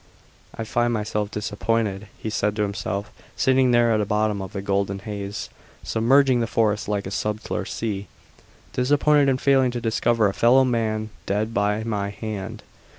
"I find myself disappointed," he said to himself, sitting there at the bottom of the golden haze submerging the forest like a subtler sea "disappointed in failing to discover a fellow man dead by my hand!